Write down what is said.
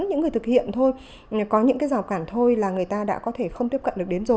những người thực hiện thôi có những cái rào cản thôi là người ta đã có thể không tiếp cận được đến rồi